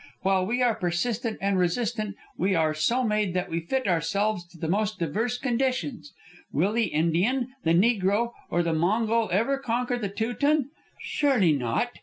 While we are persistent and resistant, we are so made that we fit ourselves to the most diverse conditions. Will the Indian, the Negro, or the Mongol ever conquer the Teuton? Surely not!